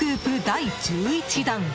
第１１弾。